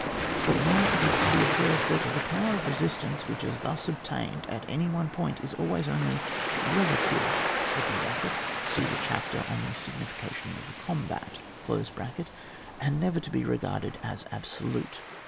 But now it is to be observed that, tlie power of resistance which is thus obtained at any one point, is always only relative (see the chapter on the signification of the combat), and never to be regarded as absolute.